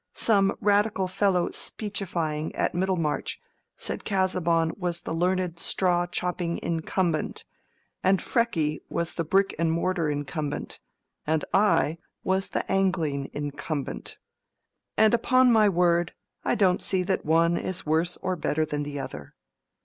Some Radical fellow speechifying at Middlemarch said Casaubon was the learned straw chopping incumbent, and Freke was the brick and mortar incumbent, and I was the angling incumbent. And upon my word, I don't see that one is worse or better than the other."